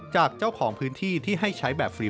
จากเจ้าของพื้นที่ที่ให้ใช้แบบฟรี